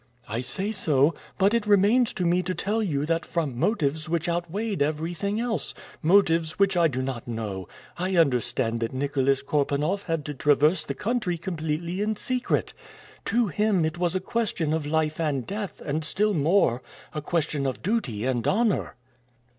"I say so: but it remains to me to tell you that from motives which outweighed everything else, motives which I do not know, I understand that Nicholas Korpanoff had to traverse the country completely in secret. To him it was a question of life and death, and still more, a question of duty and honor."